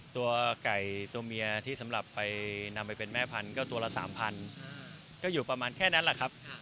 ตัวไก่ตัวเมียที่สำหรับไปนำไปเป็นแม่พันธุ์ก็ตัวละ๓๐๐ก็อยู่ประมาณแค่นั้นแหละครับ